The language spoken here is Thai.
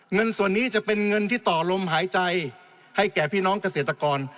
เงินส่วนนี้จะเป็นเงินที่ต่อลมหายใจให้แก่พี่น้องเกษตรกร